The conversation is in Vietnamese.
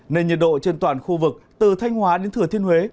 nên nhiệt độ trên toàn khu vực từ thanh hóa đến thừa thiên huế